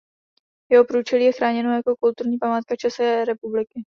Jeho průčelí je chráněno jako kulturní památka České republiky.